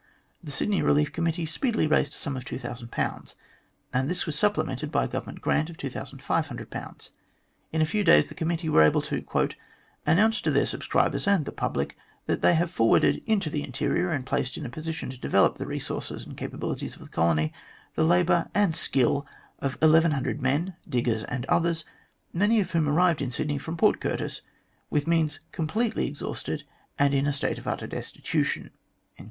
The Sydney Belief Committee speedily raised a sum of 2000, and this was supplemented by a Government grant of 2500. In a few days the Committee were able to "announce to their subscribers and the public, that they have forwarded into the interior, and placed in a position ta develop the resources and capabilities of the colony, the labour and skill of 1100 men diggers and others many of whom arrived in Sydney from Port Curtis with means completely exhausted, and in a state of utter destitution.'